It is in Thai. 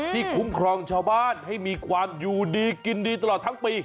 คุ้มครองชาวบ้านให้มีความอยู่ดีกินดีตลอดทั้งปี